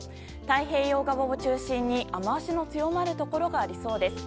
太平洋側を中心に、雨脚の強まるところがありそうです。